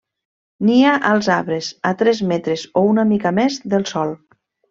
Nia als arbres, a tres metres o una mica més del sòl.